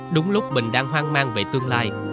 đúng lúc bình đang hoang mang về tương lai